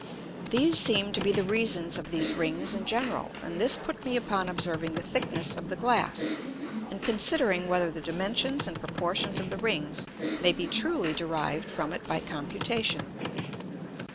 These seem to be the reasons of these Rings in general; and this put me upon observing the thickness of the Glass, and considering whether the dimensions and proportions of the Rings may be truly derived from it by computation.